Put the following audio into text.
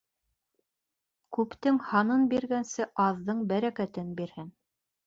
Күптең һанын биргәнсе, аҙҙың бәрәкәтен бирһен.